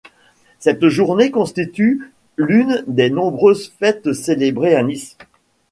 Cette journée constitue l'une des nombreuses fêtes célébrées à Nice.